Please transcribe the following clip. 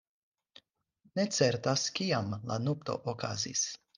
Ne certas kiam la nupto okazis.